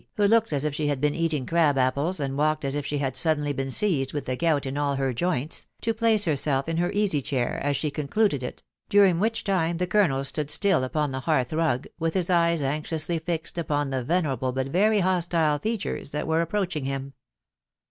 (who looked as if she had been eating crab apples, and walked as if she had suddenly been seized with the gout in all her joints,) to place herself in her easy chair as she concluded it, during which time the colonel stood still upon the hearth rug with his eyes anxiously fixed upon the venerable but very hostile features that were approaching him.